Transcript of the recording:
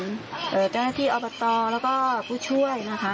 เจ้าหน้าที่อบตแล้วก็ผู้ช่วยนะคะ